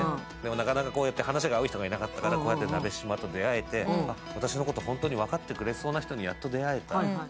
なかなか話が合う人がいなかったから鍋島に出会ってあっ、私のこと本当に分かってくれそうな人にやっと出会えた。